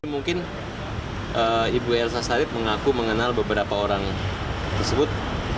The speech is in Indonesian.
mungkin ibu elsa sarip mengaku mengenal beberapa orang tersebut